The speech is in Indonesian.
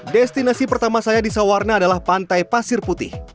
destinasi pertama saya di sawarna adalah pantai pasir putih